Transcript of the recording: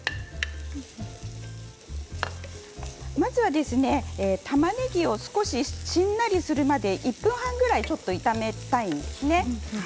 まずは、たまねぎを少ししんなりするまで１分半ぐらいちょっと炒めたいんですね。